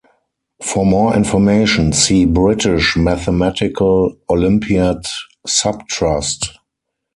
For more information see British Mathematical Olympiad Subtrust.